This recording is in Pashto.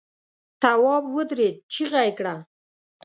تواب ودرېد، چيغه يې کړه!